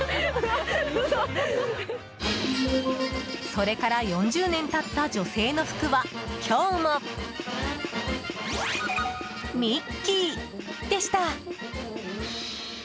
それから４０年経った女性の服は今日もミッキーでした！